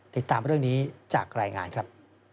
ติดตามเรื่องนี้จากรายงานครับ